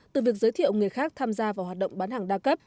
từ việc giới thiệu người khác tham gia vào hoạt động bán hàng đa cấp